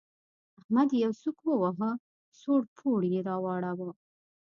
احمد يې يو سوک وواهه؛ سوړ پوړ يې راواړاوو.